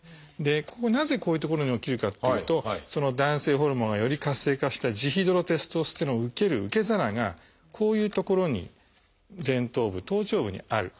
ここなぜこういう所に起きるかっていうと男性ホルモンがより活性化したジヒドロテストステロンを受ける受け皿がこういう所に前頭部頭頂部にある。